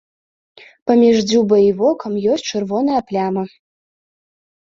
Паміж дзюбай і вокам ёсць чырвоная пляма.